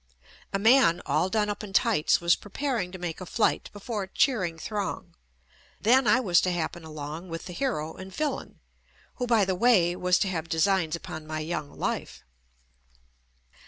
A man all done up in tights was pre paring to make a flight before a cheering throng. Then I was to happen along with the hero and villain, who by the way was to have designs upon my young life.